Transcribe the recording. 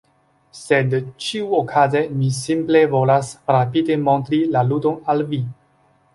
Sed ĉiuokaze mi simple volas rapide montri la ludon al vi